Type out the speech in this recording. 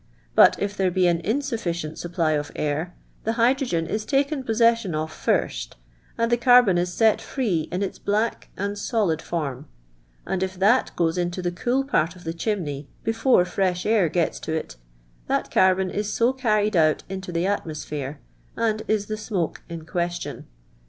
£ut if there be an insufficient supply of air, the hydrogen is taken possession of first, and the ctrbon is set free in its black and solid form ; and if that goes into the cool part of the ciiinmey before fresh air gets to it, that carbon is so carried out into the atmo sphere and is the smoke in question.